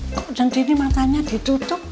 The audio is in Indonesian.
kok jangan diri matanya ditutup